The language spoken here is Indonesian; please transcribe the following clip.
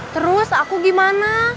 terus aku gimana